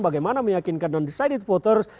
bagaimana meyakinkan undecided voters